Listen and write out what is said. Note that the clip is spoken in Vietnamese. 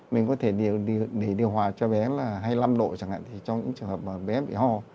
mình có thể để điều hòa cho bé là hai mươi năm độ chẳng hạn thì trong những trường hợp bé bị ho